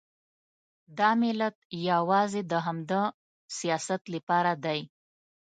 دا ملت یوازې د همدا سیاست لپاره دی.